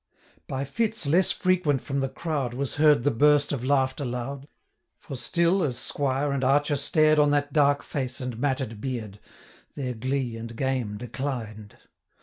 By fits less frequent from the crowd 90 Was heard the burst of laughter loud; For still, as squire and archer stared On that dark face and matted beard, Their glee and game declined.